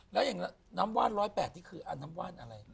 แล้วอย่างน้ำว่าน๑๐๘นี่คือน้ำว่านอะไร